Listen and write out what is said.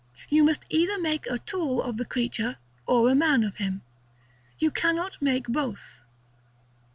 You must either made a tool of the creature, or a man of him. You cannot make both.